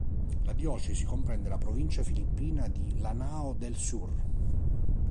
La diocesi comprende la provincia filippina di Lanao del Sur.